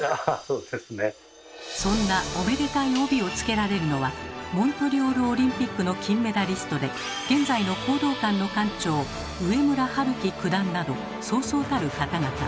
そんなおめでたい帯をつけられるのはモントリオールオリンピックの金メダリストで現在の講道館の館長上村春樹九段などそうそうたる方々。